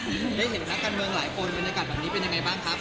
ได้เห็นนักการเมืองหลายคนบรรยากาศแบบนี้เป็นยังไงบ้างครับ